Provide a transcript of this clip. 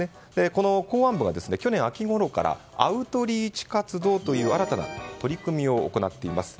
この公安部は去年秋ごろからアウトリーチ活動という新たな取り組みを行っています。